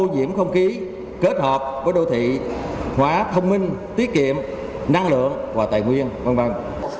điểm không khí kết hợp với đô thị hóa thông minh tiết kiệm năng lượng và tài nguyên